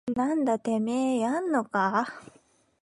なんだててめぇややんのかぁ